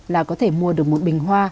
là có thể mua được một bình hoa